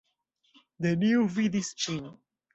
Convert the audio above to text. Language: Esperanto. Neniu vidis ŝin.